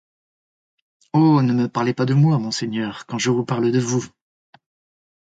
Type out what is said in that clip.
Oh ! ne me parlez pas de moi, monseigneur, quand je vous parle de vous.